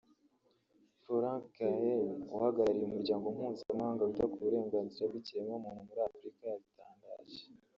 Florent Geel uhagarariye Umuryango Mpuzamahanga wita ku burenganzira bw’ikiremwamuntu muri Afurika yabitangaje